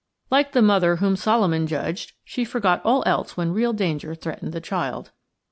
Like the mother whom Solomon judged, she forgot all else when real danger threatened the child.